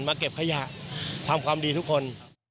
เก็บขยะทำความดีทุกคน